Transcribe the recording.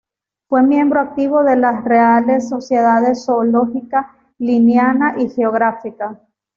Fue miembro activo de las reales sociedades Zoológica, Linneana y Geográfica.